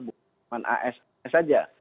dan as saja